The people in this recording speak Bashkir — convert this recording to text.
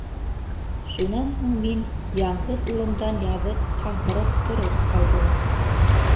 Шунан һуң мин, яңғыҙ улымдан яҙып ҡаңғырып тороп ҡалдым.